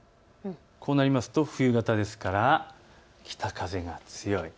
こうなりますと冬型ですから北風が強い。